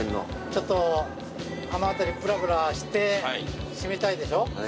ちょっとあの辺りぶらぶらして締めたいでしょ？